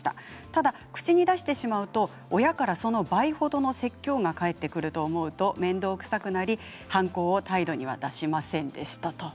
ただ口に出してしまうと親から、その倍ほどの説教が返ってくると思うとめんどくさくなり反抗を態度には出せませんでしたと。